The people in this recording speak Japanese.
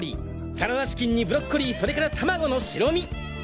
サラダチキンにブロッコリーそれから玉子の白身！！